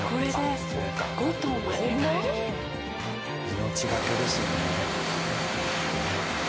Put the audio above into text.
命懸けですね。